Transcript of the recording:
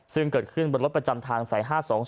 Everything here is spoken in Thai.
ซึ่งเกิดขึ้นบนรถประจำทางสาย๕๒๔